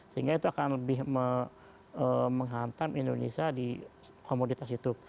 sehingga itu akan lebih menghantam indonesia di komoditas itu